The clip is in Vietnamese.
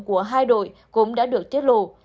của hai đội cũng đã được tiết lộ